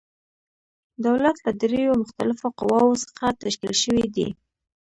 دولت له دریو مختلفو قواوو څخه تشکیل شوی دی.